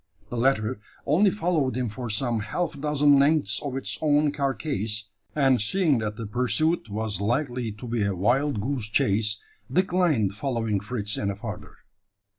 The latter only followed him for some half dozen lengths of its own carcase; and seeing that the pursuit was likely to be a wild goose chase, declined following Fritz any farther.